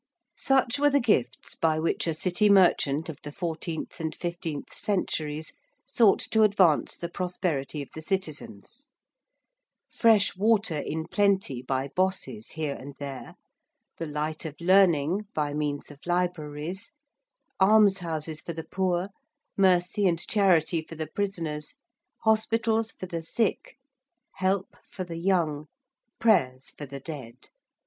Such were the gifts by which a City merchant of the fourteenth and fifteenth centuries sought to advance the prosperity of the citizens. Fresh water in plenty by 'bosses' here and there: the light of learning by means of libraries: almshouses for the poor: mercy and charity for the prisoners: hospitals for the sick: help for the young: prayers for the dead.